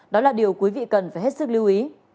đó là điều quý vị cần phải hết sức lưu ý